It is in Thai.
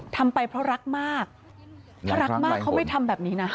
ทำไปเพราะรักมากเพราะรักมากเขาไม่ทำแบบนี้นะ